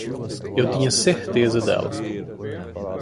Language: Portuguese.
Eu tinha certeza dela.